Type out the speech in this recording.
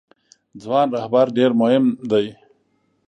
ځوان رهبران ډیر مهم دي